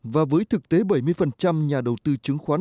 và với thực tế bảy mươi nhà đầu tư chứng khoán